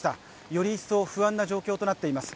より一層不安な状況となっています。